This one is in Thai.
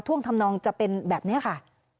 ่วงทำนองจะเป็นแบบนี้ค่ะ